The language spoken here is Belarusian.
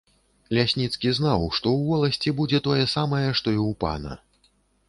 Лясніцкі знаў, што ў воласці будзе тое самае, што і ў пана.